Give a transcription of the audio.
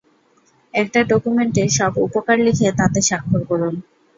একটা ডকুমেন্টে সব উপকার লিখে তাতে স্বাক্ষর করুন।